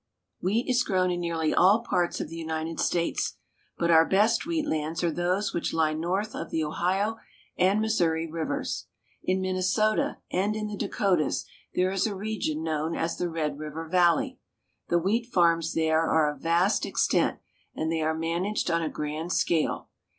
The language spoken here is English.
Wheat is grown in nearly all parts of the United States, but our best wheat lands are those which lie north of the Ohio and Missouri rivers. In Minnesota and in the Dakotas there is a region known as the Red River Valley. The wheat farms there are of vast extent, and they are managed on a grand scale.